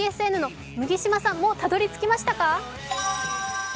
麦島さん、もうたどり着きましたか？